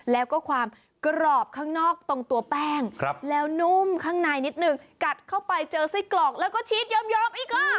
แล้วก็ความกรอบข้างนอกตรงตัวแป้งแล้วนุ่มข้างในนิดนึงกัดเข้าไปเจอไส้กรอกแล้วก็ชีสยอมอีกอ่ะ